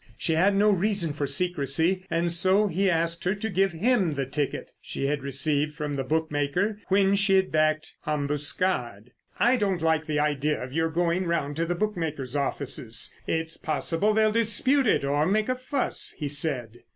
She had no reason for secrecy, and so he asked her to give him the ticket she had received from the bookmaker when she had backed Ambuscade. "I don't like the idea of your going round to the bookmaker's offices. It's possible they'll dispute it, or make a fuss," he said.